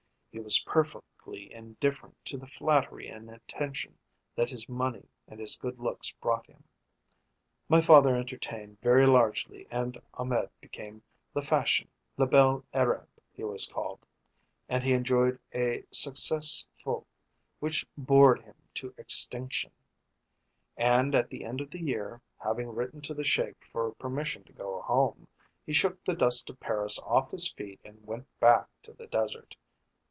He was perfectly indifferent to the flattery and attention that his money and his good looks brought him. My father entertained very largely and Ahmed became the fashion 'Le bel Arabe' he was called, and he enjoyed a succes fou which bored him to extinction and at the end of the year, having written to the Sheik for permission to go home, he shook the dust of Paris off his feet and went back to the desert.